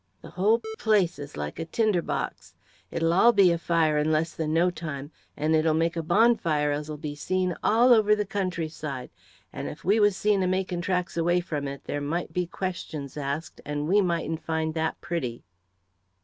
The whole place is like a tinder box. It'll all be afire in less than no time, and it'll make a bonfire as'll be seen over all the countryside; and if we was seen a making tracks away from it, there might be questions asked, and we mightn't find that pretty!"